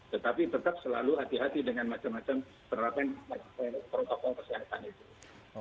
tetapi tetap selalu hati hati dengan macam macam penerapan protokol kesehatan itu